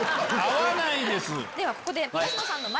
ではここで。